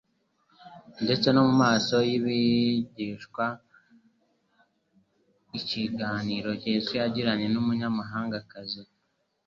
Ndetse no mu maso y'abigishwa, ikiganiro Yesu yagiranye n'umunyamahangakazi,